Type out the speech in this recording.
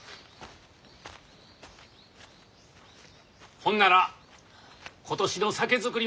ほんなら今年の酒造り